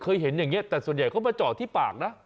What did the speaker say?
เห็นอย่างนี้แต่ส่วนใหญ่เขามาจอดที่ปากนะ